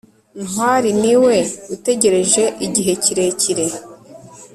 ntwali niwe utegereje igihe kirekire